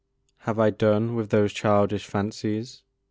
Have I done with those childish fancies?